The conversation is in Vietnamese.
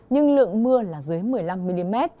nhưng lượng mưa là dưới một mươi năm mm